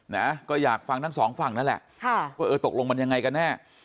นะก็อยากฟังทั้งสองฝั่งนั่นแหละค่ะว่าเออตกลงมันยังไงกันแน่